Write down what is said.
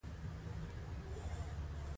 دوی ژمنه کوي چې مهارت به د خیر لپاره کاروي.